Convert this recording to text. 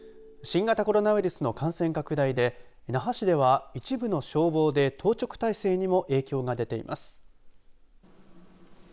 新型コロナウイルスの感染拡大で那覇市では、一部の消防で当直体制にも影響が出ています。